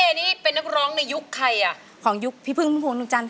คุณพี่เอนี่เป็นนักร้องในยุคใครอ่ะของยุคพี่พึ่งพุ่งนุกจันทร์ค่ะ